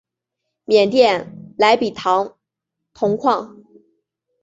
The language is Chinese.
缅甸莱比塘铜矿。